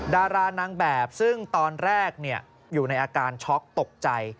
ดารานางแบบซึ่งตอนแรกอยู่ในอาการช็อกตกใจ